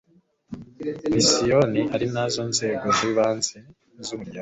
Misiyoni ari nazo nzego zibanze z umuryango